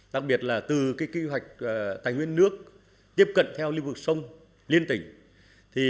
đặc biệt là từ kế hoạch tài nguyên nước tiếp cận theo lưu vực sông liên tỉnh